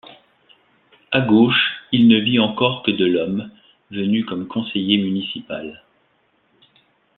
À gauche, il ne vit encore que Delhomme, venu comme conseiller municipal.